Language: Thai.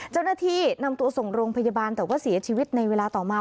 เจ้าหน้าที่นำตัวส่งโรงพยาบาลแต่ว่าเสียชีวิตในเวลาต่อมา